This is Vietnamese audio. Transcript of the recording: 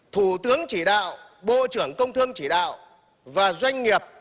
thủ tướng chỉ đạo bộ trưởng công thương chỉ đạo và doanh nghiệp